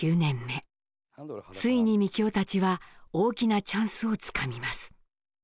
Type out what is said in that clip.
ついにみきおたちは大きなチャンスをつかみます。